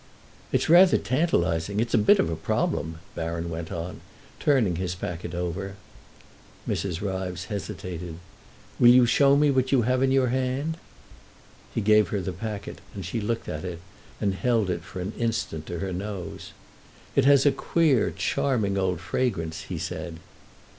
"It's rather tantalising—it's a bit of a problem," Baron went on, turning his packet over. Mrs. Ryves hesitated. "Will you show me what you have in your hand?" He gave her the packet, and she looked at it and held it for an instant to her nose. "It has a queer, charming old fragrance," he said.